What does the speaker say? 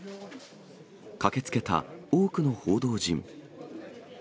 駆けつけた多くの報道陣。